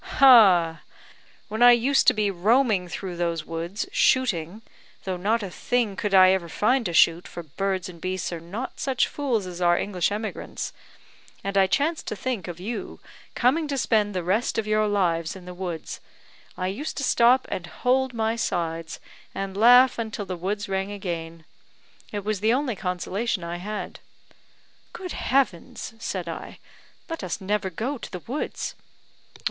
ha! When I used to be roaming through those woods, shooting though not a thing could I ever find to shoot, for birds and beasts are not such fools as our English emigrants and I chanced to think of you coming to spend the rest of your lives in the woods I used to stop, and hold my sides, and laugh until the woods rang again. It was the only consolation I had." "Good Heavens!" said I, "let us never go to the woods."